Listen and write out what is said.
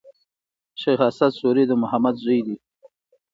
شېخ اسعد سوري د محمد زوی دﺉ.